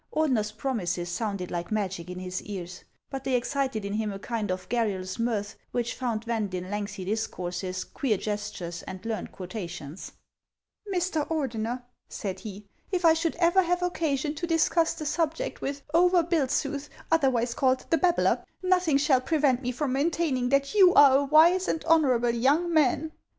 Ordener's promises sounded like magic in his ears ; they not only banished all his terrors, but they excited in him a kind of garrulous mirth, which found vent in lengthy discourses, queer gestures, and learned quotations. " Mr. Ordener," said he, " if I should ever have occasion to discuss the subject with Over Bilseuth, otherwise called 'the Babbler,' nothing shall prevent me from maintaining that you are a wise and honorable young man.